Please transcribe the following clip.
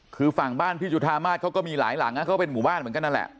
คือฝั่งบ้านพี่จุธามาศเขาก็มีหลายหลังเขาเป็นหมู่บ้านเหมือนกันนั่นแหละ